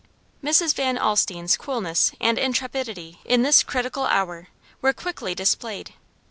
Mrs. Van Alstine's coolness and intrepidity, in this critical hour, were quickly displayed.